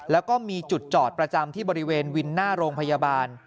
แล้วก็มีจุดจอดประจำที่บริเวณวินหน้าโรงพยาบาล